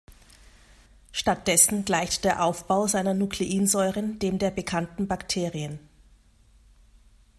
Stattdessen gleicht der Aufbau seiner Nukleinsäuren dem der bekannten Bakterien.